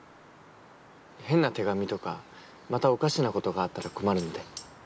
変な手紙とかまたおかしなことがあったら困るので。